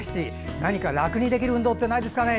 何か楽にできる運動ってないですかね。